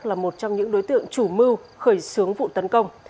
là một trong những đối tượng chủ mưu khởi xướng vụ tấn công